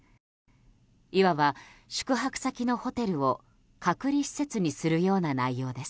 いわば宿泊先のホテルを隔離施設にするような内容です。